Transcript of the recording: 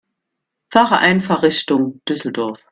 Fahre einfach Richtung Düsseldorf